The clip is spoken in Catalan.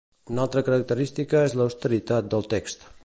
Una altra característica és l'austeritat del text.